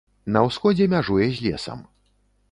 На ўсходзе мяжуе з лесам.